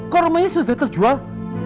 kok rumahnya sudah terjual